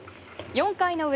４回の裏。